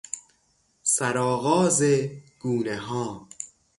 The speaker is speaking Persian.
سرآغاز گونهها